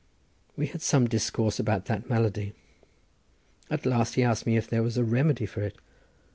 We had some discourse about that malady. At last he asked me if there was a remedy for it.